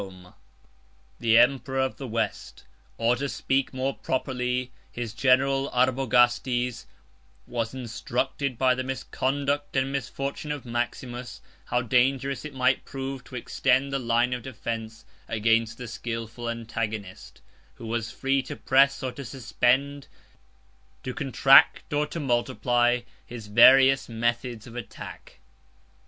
] The emperor of the West, or, to speak more properly, his general Arbogastes, was instructed by the misconduct and misfortune of Maximus, how dangerous it might prove to extend the line of defence against a skilful antagonist, who was free to press, or to suspend, to contract, or to multiply, his various methods of attack.